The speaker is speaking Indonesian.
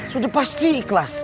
sudah pasti ikhlas